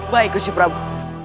baik gusti prabu